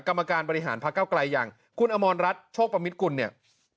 กรรมการบริหารพักเก้าไกลอย่างคุณอมรรัฐโชคประมิตกุลเนี่ย